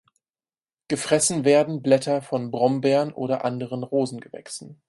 Gefressen werden Blätter von Brombeeren oder anderen Rosengewächsen.